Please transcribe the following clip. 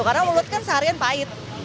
karena mulut kan seharian pahit